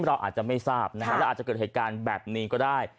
เราอาจจะไม่ทราบนะฮะแล้วอาจจะเกิดเหตุการณ์แบบนี้ก็ได้